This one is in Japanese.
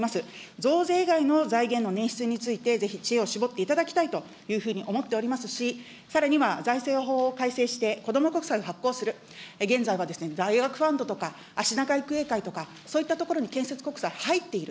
増税以外の財源の捻出について、ぜひ知恵を絞っていただきたいというふうに思っておりますし、さらには、財政法を改正して、こども国債を発行する、現在は大学ファンドとかあしなが育英会とか、そういったところに建設国債が入っている。